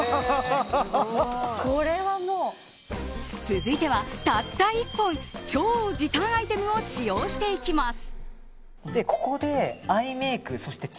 続いては、たった１本超時短アイテムを使用していきます。